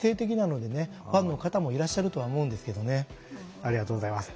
ありがとうございます。